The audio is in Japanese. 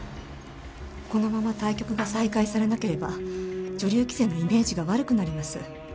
このまま対局が再開されなければ女流棋戦のイメージが悪くなります。